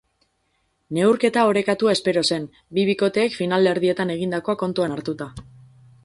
Neurketa orekatua espero zen, bi bikoteek finalerdietan egindakoa kontuan hartuta.